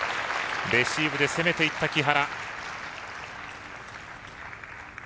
レシーブで攻めていった木原。